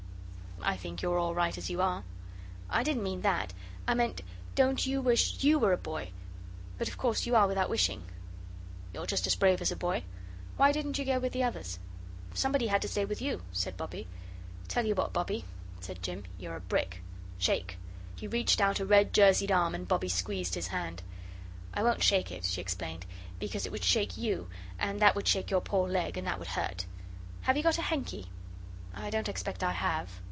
"I think you're all right as you are." "I didn't mean that I meant don't you wish YOU were a boy, but of course you are without wishing." "You're just as brave as a boy. Why didn't you go with the others?" "Somebody had to stay with you," said Bobbie. "Tell you what, Bobbie," said Jim, "you're a brick. Shake." He reached out a red jerseyed arm and Bobbie squeezed his hand. "I won't shake it," she explained, "because it would shake YOU, and that would shake your poor leg, and that would hurt. Have you got a hanky?" "I don't expect I have."